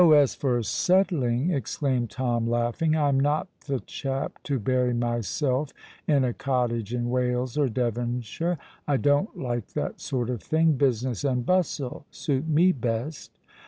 as for settling," exclaimed Tom, laughing, "I am not the chap to bury myself in a cottage in Wales or Devonshire. I don't like that sort of thing. Business and bustle suit me best."